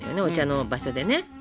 お茶の場所でね。